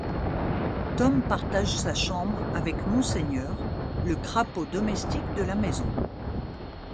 Tom partage sa chambre avec Monseigneur, le crapaud domestique de la maison.